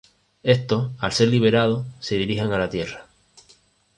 Estos, al ser liberados, se dirigen a la Tierra.